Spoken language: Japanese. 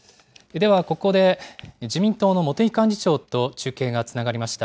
ではここで、自民党の茂木幹事長と中継がつながりました。